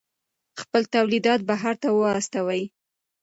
خپل تولیدات بهر ته واستوئ.